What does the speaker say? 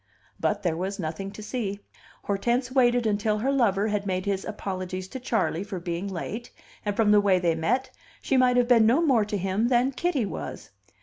But there was nothing to see. Hortense waited until her lover had made his apologies to Charley for being late, and, from the way they met, she might have been no more to him than Kitty was.